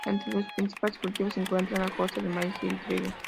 Entre los principales cultivos se encuentra la soja, el maíz y el trigo.